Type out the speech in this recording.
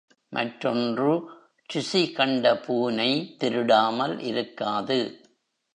மற்றொன்று ருசி கண்ட பூனை திருடாமல் இருக்காது.